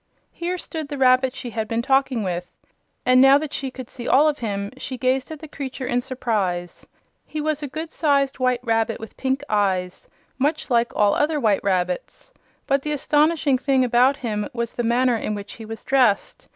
Here stood the rabbit she had been talking with, and now that she could see all of him, she gazed at the creature in surprise. He was a good sized white rabbit with pink eyes, much like all other white rabbits. But the astonishing thing about him was the manner in which he was dressed.